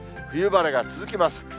冬晴れが続きます。